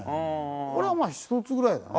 これはまあ１つぐらいだね。